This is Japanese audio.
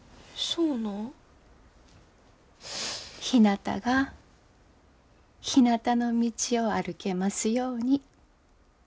ひなたが「ひなたの道」を歩けますように。